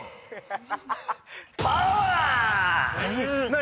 何？